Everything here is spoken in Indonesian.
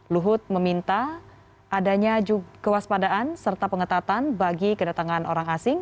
luhut meminta adanya kewaspadaan serta pengetatan bagi kedatangan orang asing